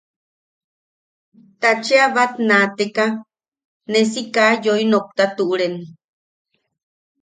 Ta cheʼa bat naateka ne si kaa yoi nokta tuʼuren.